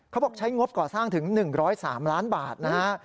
เขาบอกใช้งบก่อสร้างถึง๑๐๓ล้านบาทนะฮะ